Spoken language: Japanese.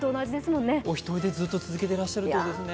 お一人でずっと続けてらっしゃるんですね。